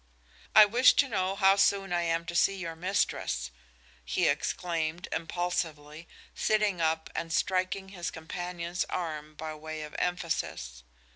"I wish to know how soon I am to see your mistress," he exclaimed, impulsively, sitting up and striking his companion's arm byway of emphasis.